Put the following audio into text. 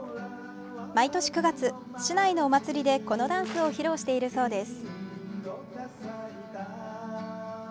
毎年９月、市内のお祭りでこのダンスを披露しているそうです。